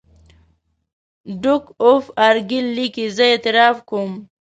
ډوک آف ارګایل لیکي زه اعتراف کوم.